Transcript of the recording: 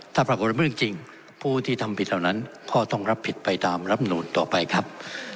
ถ้าปรากฏว่าเรื่องจริงผู้ที่ทำผิดเหล่านั้นก็ต้องรับผิดไปตามรับนูนต่อไปครับ